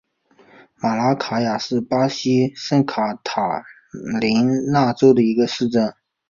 马拉卡雅是巴西圣卡塔琳娜州的一个市镇。